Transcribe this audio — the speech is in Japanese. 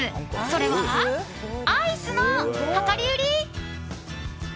それは、アイスの量り売り。